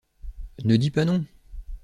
Ne dis pas non.